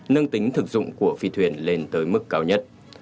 nâng tính thực dụng của phi thuyền lên tới mức cao nhất